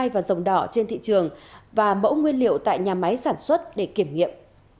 và dòng đỏ trên thị trường và mẫu nguyên liệu tại nhà máy sản xuất để kiểm nghiệm